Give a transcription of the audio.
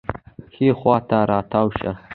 ښي خوا راتاو شه